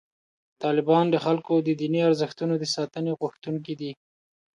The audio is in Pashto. طالبان د خلکو د دیني ارزښتونو د ساتنې غوښتونکي دي.